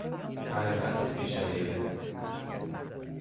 حقیقت بی شایبه